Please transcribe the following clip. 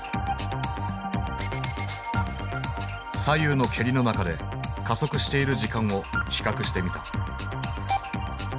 左右の蹴りの中で加速している時間を比較してみた。